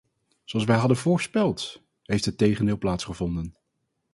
Zoals wij hadden voorspeld, heeft het tegendeel plaatsgevonden.